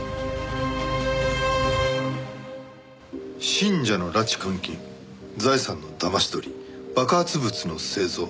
「信者の拉致監禁」「財産の騙し取り」「爆発物の製造」。